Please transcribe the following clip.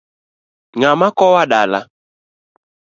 Ngama kowa dala ?